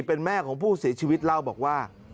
เป็นแม่ของผู้เสียชีวิตเล่าบอกว่า